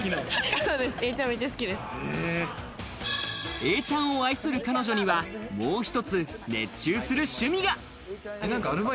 永ちゃんを愛する彼女にはもう一つ、熱中する趣味が。